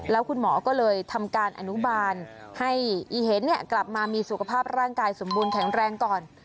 แล้วคุณหมอก็เลยทำการอนุบาลให้อีเห็นกลับมามีสุขภาพร่างกายสมบูรณแข็งแรงก่อน